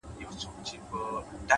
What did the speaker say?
فکر کول د ذهن ورزش دی’